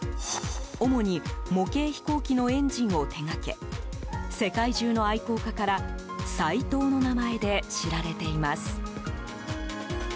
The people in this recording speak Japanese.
主に模型飛行機のエンジンを手掛け世界中の愛好家からＳＡＩＴＯの名前で知られています。